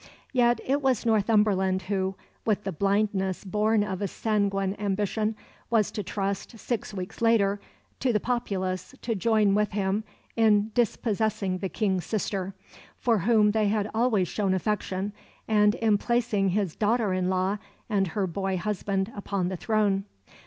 Yet it was Northumberland who, with the blindness born of a sanguine ambition, was to trust, six weeks later, to the populace to join with him in dispossessing the King's sister, for whom they had always shown affection, and in placing his daughter in law and her boy husband upon the throne.